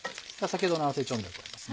先ほどの合わせ調味料です。